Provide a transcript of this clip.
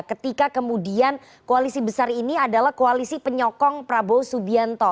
ketika kemudian koalisi besar ini adalah koalisi penyokong prabowo subianto